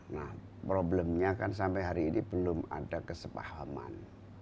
nah problemnya kan sampai hari ini belum ada kesepahaman